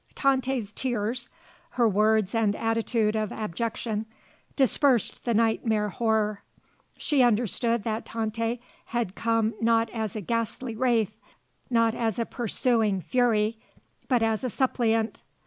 Tante's tears, her words and attitude of abjection, dispersed the nightmare horror. She understood that Tante had come not as a ghastly wraith; not as a pursuing fury; but as a suppliant.